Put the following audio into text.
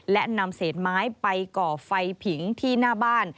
และนำเศษไม้ไปก่อไฟผิงที่หน้าบ้าน